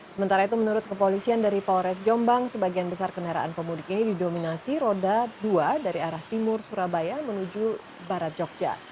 sementara itu menurut kepolisian dari polres jombang sebagian besar kendaraan pemudik ini didominasi roda dua dari arah timur surabaya menuju barat jogja